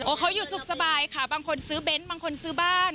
เขาอยู่สุขสบายค่ะบางคนซื้อเบนท์บางคนซื้อบ้าน